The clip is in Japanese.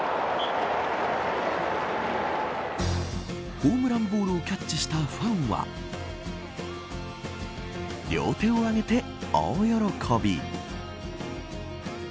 ホームランボールをキャッチしたファンは両手を上げて大喜び。